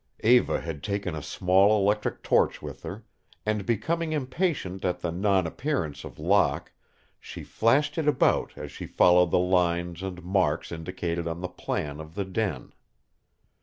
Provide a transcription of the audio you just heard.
Eva had taken a small electric torch with her, and, becoming impatient at the non appearance of Locke, she flashed it about as she followed the lines and marks indicated on the plan of the den.